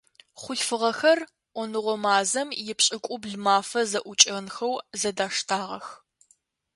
Хъулъфыгъэхэр Ӏоныгъо мазэм ипшӏыкӏубл мафэ зэӏукӏэнхэу зэдаштагъэх.